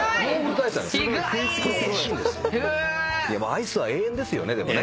アイスは永遠ですよねでもね。